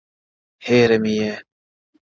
• هېره مي يې؛